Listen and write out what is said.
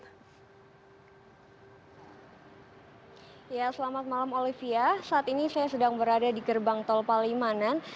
selamat malam olivia saat ini saya sedang berada di gerbang tol palimanan